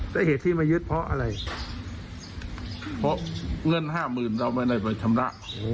และเหตุที่มายึดเพราะอะไรเพราะเงินห้าหมื่นเราไม่ได้ไปชำระ